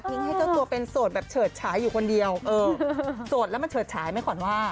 ให้เจ้าตัวเป็นโสดแบบเฉิดฉายอยู่คนเดียวเออโสดแล้วมันเฉิดฉายไหมขวัญว่า